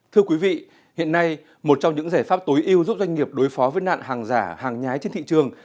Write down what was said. thưa quý vị hiện nay một trong những giải pháp tối ưu giúp doanh nghiệp đối phó với nạn hàng giả hàng nhái trên thị trường